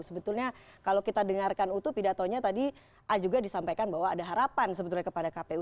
sebetulnya kalau kita dengarkan utuh pidatonya tadi juga disampaikan bahwa ada harapan sebetulnya kepada kpu